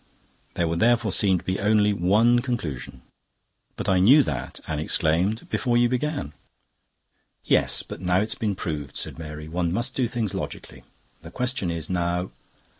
"There would therefore seem to be only one conclusion." "But I knew that," Anne exclaimed, "before you began." "Yes, but now it's been proved," said Mary. "One must do things logically. The question is now..."